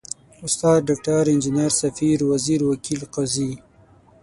استاد، ډاکټر، انجنیر، ، سفیر، وزیر، وکیل، قاضي ...